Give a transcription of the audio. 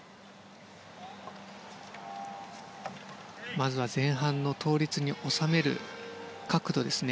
まずは前半の倒立に収める角度ですね。